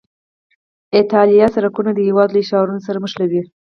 ایالتي سرکونه د هېواد لوی ښارونه سره نښلوي